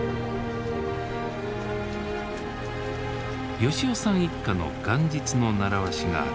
吉男さん一家の元日の習わしがある。